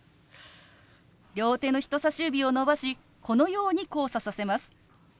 両手の人さし指を伸ばしこのように交差させます。